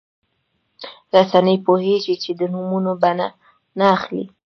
رسنۍ پوهېږي چې د نومونه به نه اخلي.